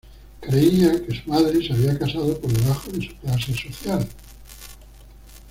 Creía que su madre se había casado por debajo de su clase social.